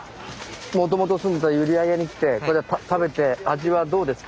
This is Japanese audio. もともと住んでた閖上に来てここで食べて味はどうですか？